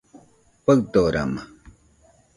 Faɨdorama